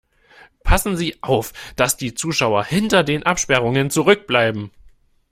Passen Sie auf, dass die Zuschauer hinter den Absperrungen zurückbleiben.